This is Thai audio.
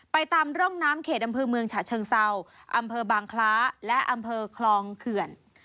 ตามร่องน้ำเขตอำเภอเมืองฉะเชิงเศร้าอำเภอบางคล้าและอำเภอคลองเขื่อน